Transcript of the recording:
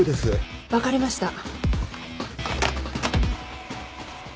分かりました。